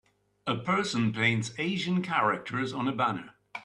A person paints Asian characters on a banner.